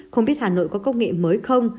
không biết hà nội có công nghệ mới không